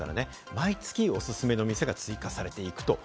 毎月、おすすめの店が追加されていく。